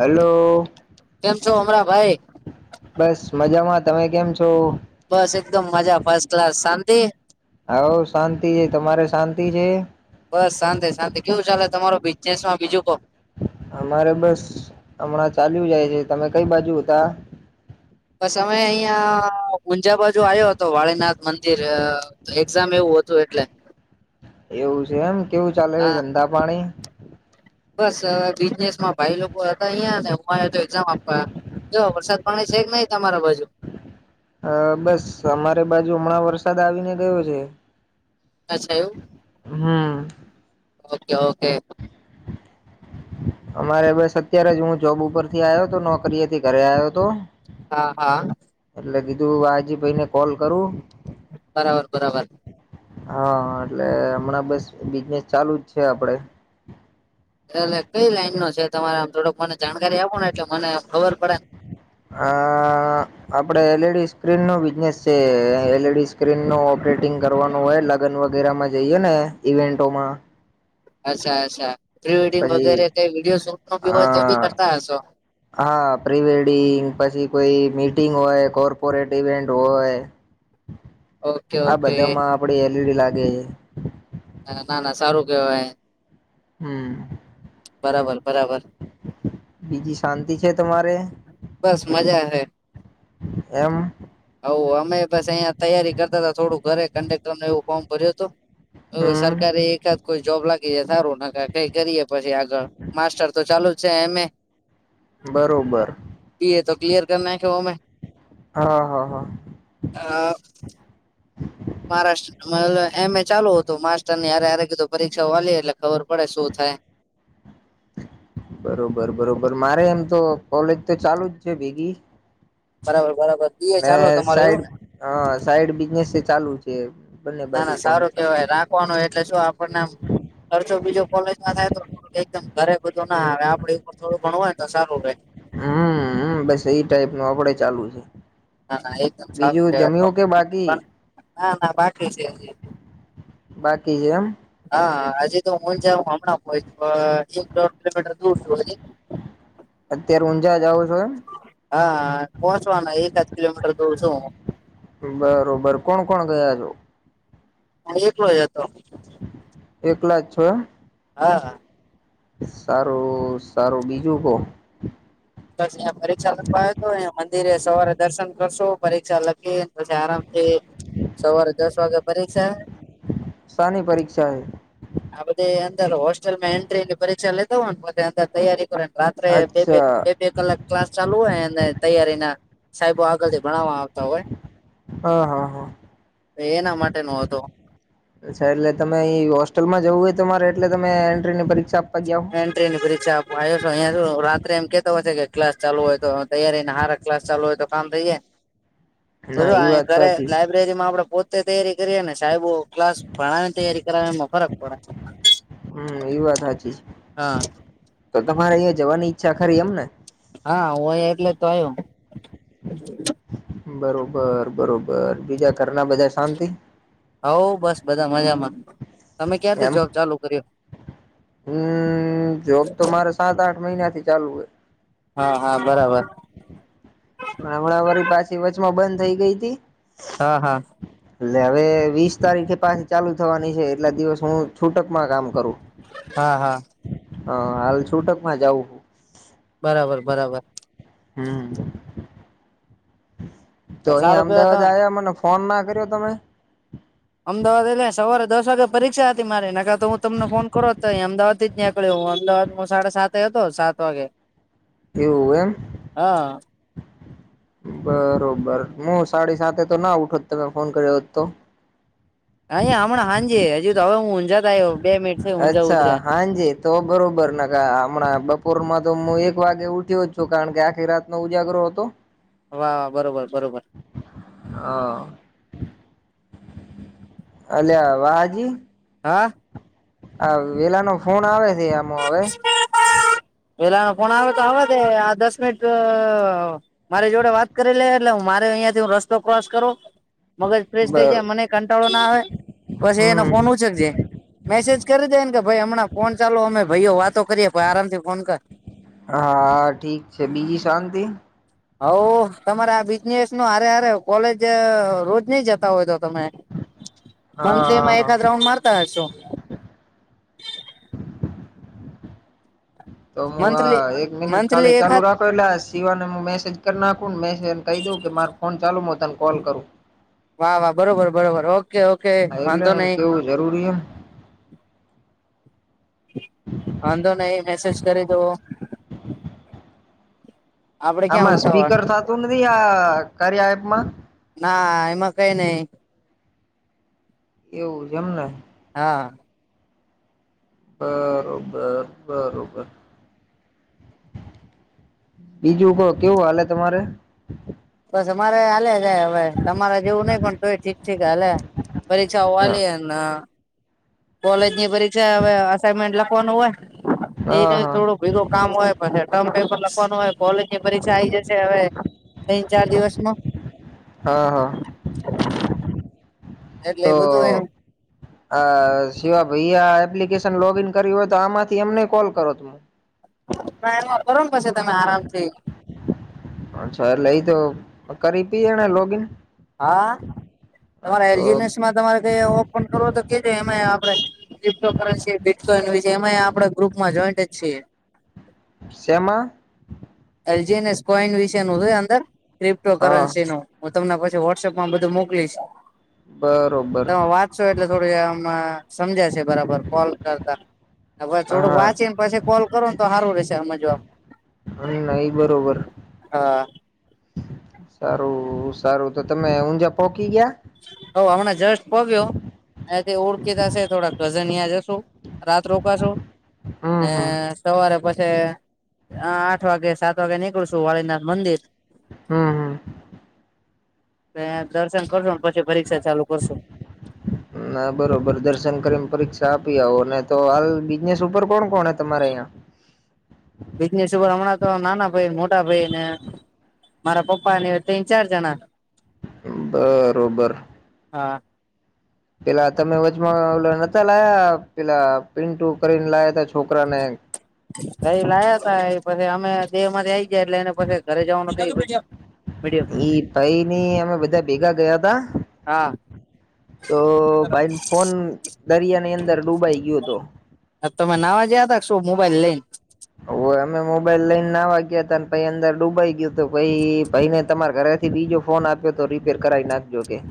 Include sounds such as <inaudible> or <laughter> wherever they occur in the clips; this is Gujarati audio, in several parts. હેલો. કેમ છો હમણાં ભાઈ બસ મજામાં તમે કેમ છો? બસ એકદમ મજા ફર્સ્ટ ક્લાસ શાંતિ. આવ શાંતિ હે તમારે શાંતિ છે. બસ શાંતિ શાંતિ કેવું ચાલે તમારો બિઝનેસ માં બીજું કો અમારે બસ હમણાં ચાલ્યું જાય છે તમે કઈ બાજુ હતા? બસ અમે અહિયાં ઊંઝા બાજુ આવ્યો હતો વાળનાથ મંદિર એક્ઝામ એવું હતું એટલે. એવું છે એમ કેવું ચાલે હા ધંધા પાણી? બસ બિઝનેસમાં ભાઈ લોકો હતા અહીંયા ને હું આયે એઝામ આપવા જો વરસાદ પાણી છે કે નહી તમારા બાજુ? અહ બસ અમારે બાજુ હમણાં વરસાદ આવી ને ગયો છે આ છ્યું હા. Okay okay. અમારે બસ અત્યારે જ હું જોબ ઉપરથી આયો તો નોકરી એથી ઘરે આવ્યો હતો હા હા. એટલે કીધું હાજી ભાઈને કોલ કરું બરાબર. બરાબર. હા એટલે હમણાં બસ બિઝનેસ ચાલુ જ છે આપડે એટલે કઈ લાઈન નો છે તમારે આમ થોડોક મને જાણકારી આપો ને એટલે મને ખબર પડે ને અ આપડે એલીઈડી સ્ક્રીન નું બિઝનેસ છે એલીઈડી સ્ક્રીન નુ ઓપરેટિંગ કરવાનું હોય લગ્ન વગેરે માં જઈએ ને ઇવેન્ટોમાં અચ્છા અચ્છા પ્રીવેડિંગ પછી વગેરે તે વિડીયો શૂટ નો બી હોય તે બી હા કરતા હશો હા પ્રી વેડિંગ પછી કોઈ મીટિંગ હોય કોર્પોરેટ ઇવેન્ટ હોય ઓકે આ ઓકે બધામાં આપડે એલીઈડી લાગે હે ના ના સારું કેવાય હમ બરાબર બરાબર. બીજી શાંતિ છે તમારે બસ મજા હૈ. એમ હ અમે પછી અહીંયા તૈયારી કરતા હતા થોડું ઘરે કંડક્ટર નું એવું ફોર્મ ભર્યું હતું હમ સરકારી એકાદ કોઈ જોબ લાગ સારું ના કઈ કરીએ પછી આગળ માસ્ટર તો ચાલુ જ છે એમ એ બરોબર. બી એ તો કિલયર કર નાખ્યો ઓમે હા હા હા. હા. મહારાષ્ટ્ર માલે એમ એ ચાલુ હતું માસ્ટર નીય હારે હારે કીધું પરીક્ષા આલીએ એટલે ખબર પડે શું થાય બરોબર બરોબર મારે એમ તો કોલેજ તો ચાલુ જ છે ભેગી બરાબર બરાબર દીએ ચાલો તમારે એવું હા સાઈડ બિઝનેસ ચાલુ છે બંને ના બાજુ ના કોમ સારું ચાલુ કેવાય એટલે જો આપણને ખર્ચો બીજો કોલેજમાં થાયતો મ ઘરે બધું ના આવે આપડે ઉપર થોડું ભણુ હોય તો સારું રહેે હમ બસ એ ટાઈપ નુ આપડે ચાલુ છે. ના ના એકદમ સારું બીજું કેવા તો જમ્યું કે પણ બાકી ના ના બાકી છે. બાકી છે એમ હા આજે તો હું જ હમણાં <unintelligible> એક દોઢ કિલોમીટર દૂર <unintelligible> અત્યારે ઊંઝા જા છો એમ હા પહોંચવાના એક જ કિલોમીટર દૂર છું બરોબર કોણ કોણ ગયા છો હુ એકલો જ હતો એકલા જ છો એમ હા સારું સારું બીજું કોહ અયા પરીક્ષા લખવા આવયો હતો અયા મંદિરે સવારે દર્શન કરશો પરીક્ષા લખી પછી આરામથી સવારે દસ વાગે પરીક્ષા સાની પરીક્ષા હે આ બધી અંદર હોસ્ટેલમાં એન્ટ્રી ની પરીક્ષા લેતા હો ને અંદર તૈયારી કરો ને રાત બે અચ્છા બે લ <unintelligible> ક્લાસ ચાલુ હોય અને તૈયારી ના, સાહેબો આગળથી ભણવા આવતા હોય. હા હા હા. એના માટે નું હતું. અચ્છા એટલે તમે એ હોસ્ટલમાં જવું હોય તમારે એટલે તમે એન્ટ્રીની પરીક્ષા ગયા હો એ ની પરીક્ષા આપ આવ્યો છો અહં રાત્રે એમ કેતો હોય છે કે ક્લાસ ચાલુ હોય તો તૈયારીને હાર ક્લાસ ચાલુ હોય તો- કામ થઈ, ના એ વાત ઘરે સાચી છે લબ માં આપડે પોતે તૈયારી કરીએ ને સાહેબો ક્લાસ ભણાવને તૈયારી કરાવ એમાં ફરક પડે છે. હમ એ વાત સાચી જ. હા. તો તમારે અહંયા જવાની ઈચ્છા ખરી એમ ને? હા હુંય એટલે તો આવયયો. બરોબર બરોબર બીજા કરના બધા શાંતિ? હવ બસ બધા મજામાં, તમે ક્યારથી એમ જોબ ચાલુ કર્યો? હમ જોબ તો મારે સાત આઠ મહિના થી ચાલુ હોય. હા હા બરાબર. પણ હમણાંવારી પાછી વચમાં બંધ થઇ ગઈ હતી. હા હા. એટલે હવે વીસ તારીખે પાછી ચાલુ થવાની છે એટલા દિવસ હું છૂટકમાં કામ કરું. હા હા. હ હાલ છૂટક માં જવું. બરાબર બરાબર. હમ, તો અહીયાં સારું કેવાય અમદાવાદ તમે આવ્યા મને ફોન ના કર્યો તમે? અમદાવાદ એલે સવારે દસ વાગે પરીક્ષા હતી મારેનેખા તો હું તને ફોન કરો તો અહીં અમદાવાદથી જ યાં નીકળ્યો હું અમદાવાદ સાડા સાત હતો સાત વાગે. એવું એમ. હા. બરોબર હું સાડી સાતે તો ના ઉઠોત તમે ફોન કર્યો હોત તો. અહી હમણા હાજ હજજી તો હવે હું ઊંઝા થાય. બે મિનિટ થઈ અચ્છા હા જ. તો બરોબર ને ક હમણાં બપોરમાં તો હું એક વાગે ઉઠ્યો જ છું કારણ કે આખી રાતનો ઉજાગરો હતો. વા વા બરોબર બરોબર. હા, અલ્યા વાહાજી. હા. હ વેલા નો ફોન આવે છે આમ હવે. વેલા કોણ આવે તો હવા દ આ દસ મનિટ મારી જોડે વાત કરી લે એટલે હું મારે અહિયાયા થી હ રસ્તો ક્રોસ કરો. મગજ ફ્રેશ થઈ બર જાય મને કંટાળો ના આવેય. પછ એના હમ ફોન ઉછક છે મેસેજ કરી દે ને, કે ભાઈ હમણાં ફોન ચાલો અમે. ભાઈઓ વાતો કરી આરામથી કોન કર. હા ઠીક છે બીજી શાંતિ? હ તમારે આ બિઝનેસ નું અરે અરે કોલેજ રોજ નઈ જતા હોય તો તમે? પણ હા હા તેમાં હા એકાદ રાઉન્ડ મારતા હશો. તો હું મંથલી આ એક મિનિટ મંથલી કાલી ચાલુ એકાદ રાખો, એટલે સિવાને હું મેસેજ કર નાખું, ને મેસેજને કહી દઉં કે માર ફોન ચાલું મુ તને કોલ કરું વાહ વાહ બરોબર બરોબર ઓ કે ઓકે. હા, એટલે વાંધો એને નહી કેવું જરૂરી હે વાંધો નહી મેસેજ કરી દો આપડે ક્યાં આમાં ઉતાવળ સ્પીકર થાતું નથી, આ કાર્યા એપમાં? ના, એમાં કઈ નઈ. એવું જેમને હા બરોબર બરોબર બીજું કો કેવું હાલે તમારે? બસ અમારે હાલે જાય હવે, તમારે જેવું નઈ પણ તોય ઠીક ઠીક હાલે. મરી હા ચવવાલી એના કોલેજ ની પરીક્ષા હવે, અસાઈનમેન્ટ લખવાનું હોય, એટલે હા થોડું બીજૂ કામ હોય, પણ એ ટર્મ પેપર લખવાનું હોય કોલેજ ની પરીક્ષા આઇ જશે હવે તીન ચાર દિવસમો હા હા એટલે તો બધું એમ અ શિવા ભૈયા એપ્લિકેશન લોગ ઈન કર્યું હોય, તો આમાંથી અમને કોલ કરો તુમ <unintelligible> કરુન પસી તમે આરામ થી અચછા, એટલે ઈ તો કરી થી એને લોગીન? હા, તમારા તો એલજીનેસ મા તમારે કઈ ઓપન કરવો હોય, તો કેજે એમે આપડે ક્રિપ્ટો કરેન્સિ, બીટકોઈન એમાં આપણે ગ્રુપમાં જોઈન્ટજ છીએ સેમા એલજીનેસ કોઈન વિશે નું છેય અંદર, ક્રિપ્ટો હા કરન્સીનું હું તમને પછી વોટસઅપ માં બધું મોકલીશ બરોબર સો એટલે થોડું આમા સમજાય છે, બરાબર કોલ કરતા થોડું હા વાંચી ને પછી કોલ કરો તો, હારું રહેશે હમજવા હમ્મ નહી બરોબર હા સારું સારું, તો તમે ઊંઝા પોકી ગયા? હો, હમણાં જસ્ટ પોક્યો અહીંયા કઈ ઓળખીતા શે થોડા કઝનિયા જાશું રાત રોકાશુ હમ ને હમ સવારે પછી અ આઠ વાગે, સાત વાગે નીકળશું વાળીનાથ મંદિર. હમ્મ હમ્મ ને દર્શન કરશું, ને પછી પરીક્ષા ચાલુ કરશું. <inaudible> ના બરોબર, દર્શન કરીને પરીક્ષા આપી આવો અનેને તો હાલ બિઝનેસ ઉપર કોણ કોણ તમારે ઐયા. બિઝનેસ ઉપર હમણાં તો નાના ભાઈ, મોટા ભાઈ ને મારા પપ્પાને, તિન ચાર જણા બરોબર હા. પેલા તમે વચમાં ઓ નતા લાયા પેલા પી ટુ કરીને લાયા તા છોકરાને કઈ લાયા તા એ પછી અમે દેહ માંથી આઈ ગયા એટલે એને પછી ઘરે જવાનું <unintelligible> મીડિ એ પાઈની અમે બધા ભેગા ગયા તા હા તો ભાઈ ફોન દરિયા ની અંદર ડૂબાઈ ગયો તો. હ તમે નાવા જ્યાં તા શું મોબાઈલ લઈ હોવે અમે મોબાઈલ લઈન નાવા ગયા તા પહી અંદર ડૂબાઈ ગયું તો પહી ભઈને તમારા ઘરે થી બીજો ફોન આપ્યો તો રીપેર કરાવી નાખજો કે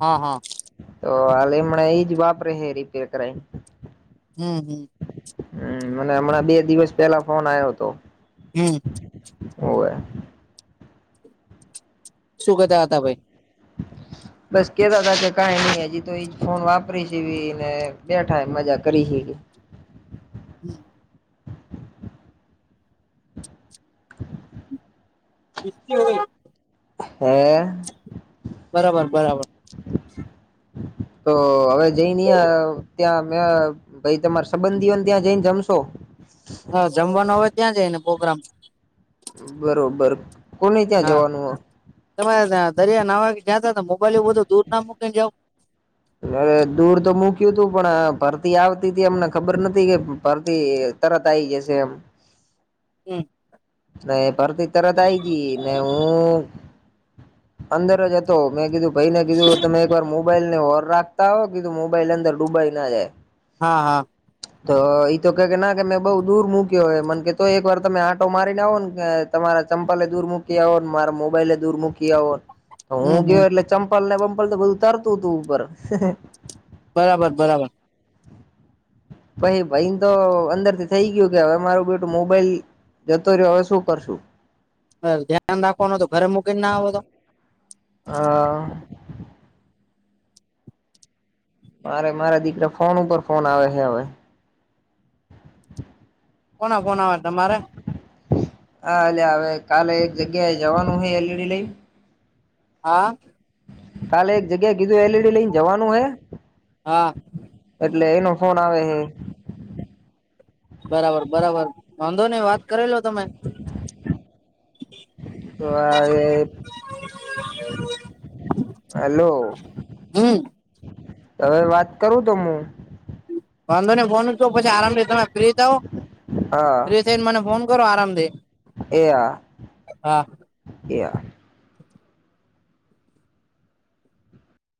હા હા. તો હાલે એમણાં એજ વાપરે હે રિપેર કરાઈન હમ હમ. હમ મને હમણાં બે દિવસ પેલા ફોન આવ્યો હતો. હમ. ઓવે શું કેતા હતા ભાઈ <inaudible> બસ કેતા તા કે કઈ નઈ હજી તો એજ ફોન વાપરી છીને બેઠા મજા કરી હી <unintelligible> <inaudible> <unintelligible> હે. બરાબર બરાબર તો હવે જઈ નહી ત્યાં મે ભાઈ તમાર સંબંધીઓને ત્યાં જઈને જમશો. હા જમવાનો હવે ત્યાં જઈ ને પ્રોગ્રામ છે બરોબર કોને ત્યાં જવાનું હો તમારે દરિયા નાવા જયાતા તો મોબાઈલ બધું દૂર ના મૂકી ને જાવ. અરે દૂર તો મૂક્યું તું પણ ભરતી આવતી હતી અમને ખબર નથી કે ભરતી તરત આઇ જશે એમ હમ. ને ભરતી તરત આ આવી જી ને હું અંદર જ હતો મેં કીધું ભાઈને કીધું તમે એક વાર મો મોબાઈલ ને હોર રાખતા હોય કીધું મોબાઈલ અંદર ડૂબાઈ ના જાય હા હા. <inaudible> તો ઈ તો કે કે ના કે મેં બઉ દૂર મૂક્યો હે મને કે તો એક વાર તમે આટો મારીને આવો ને કે તમારા ચંપલે દૂર મુકી આવોને મારા મોબાઈલે દૂર મૂકી મુકી આવો તો હું હમ ગયો હમ એટલે ચંપલ ને બંપલ તો બધું તરતું હતું ઉપર બરાબર બરાબર. પાઈ ભાઈને તો અંદર થી થઇ ગયું કે હવે મારું બેટું મોબાઈલ. જતો રહ્યો હવે શું કરશું. ધ્યાન રાખવાનું તો ઘરે મુકીને ના આવે તો અ મારે મારા દીકરા ફોન ઉપર ફોન આવે હે હવે. કોના ફોન આવે તમારે હા અલ્યા હવે કાલે એક જગ્યાએ જવાનું હે એલીઈડી લઈ હા. કાલે એક જગ્યાએ કીધું એલઈડી લઈને જવાનું હે. હા. એટલે એનો ફોન આવે હે બરાબર બરાબર વાંધો નહી વાત કરીલો તમે. તો આએ <unintelligible> હલો. હમ. હવે વાત કરું તો, હું. વાંધો ને, ફોન રખદો પછી આરામથી તમે ફ્રી થો હા. થઈ ને મને ફોન કરો, આરામ થી એહા, એહા